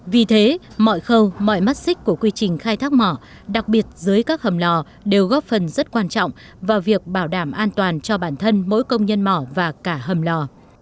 vì thế mọi khâu mọi mắt xích của quy trình khai thác mỏ đặc biệt dưới các hầm lò đều góp phần rất quan trọng vào việc bảo đảm an toàn cho bản thân mỗi công nhân mỏ và cả hầm lò